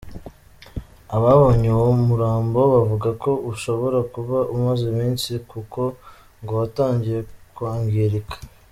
Ababonye uwo murambo bavuga ko ushobora kuba umaze iminsi kuko ngo watangiye kwangirika.